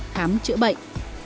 khám chữa bệnh